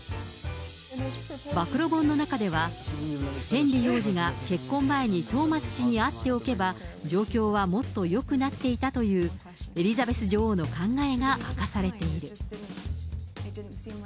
暴露本の中では、ヘンリー王子が結婚前にトーマス氏に会っておけば、状況はもっとよくなっていたというエリザベス女王の考えが明かされている。